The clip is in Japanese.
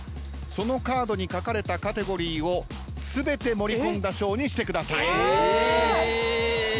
そのカードに書かれたカテゴリーを全て盛り込んだショーにしてください。